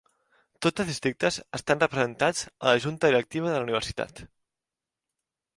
Tots els districtes estan representats a la Junta directiva de la universitat.